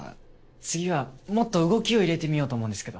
次はもっと動きを入れてみようと思うんですけど。